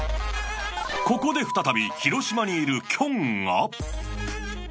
ここで再び広島にいるきょんが。